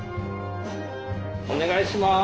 お願いします。